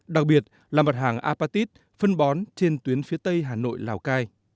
đặc biệt là mặt hàng apatit phân bón trên tuyến phía tây hà nội lào cai